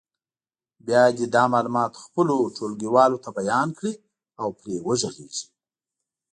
بیا دې دا معلومات خپلو ټولګیوالو ته بیان کړي او پرې وغږېږي.